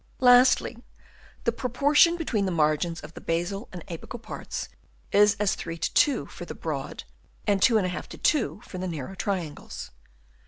Lastly, the proportion between the margins of the basal and apical parts is as 3 to 2 for the broad, and 2^ to 2 for the narrow triangles.